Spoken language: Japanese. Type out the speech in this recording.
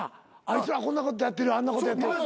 あいつらこんなことやってるあんなことやってる。